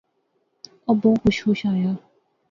او بہوں خوش خوش آیا